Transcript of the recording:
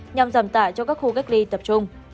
nhằm giảm tải cho các khu cách ly tập trung